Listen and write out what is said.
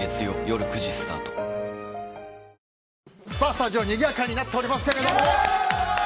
スタジオにぎやかになっておりますけども。